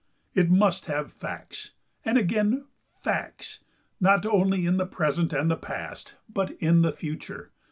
It must have facts, and again facts, not only in the present and the past, but in the future.